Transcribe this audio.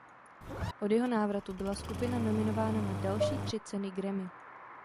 Od jeho návratu byla skupina nominována na další tři ceny Grammy.